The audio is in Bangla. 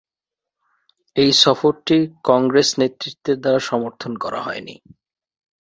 এই সফরটি কংগ্রেস নেতৃত্বের দ্বারা সমর্থন করা হয়নি।